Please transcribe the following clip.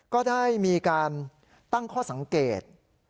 ก็ได้มีการตั้งข้อสังเกต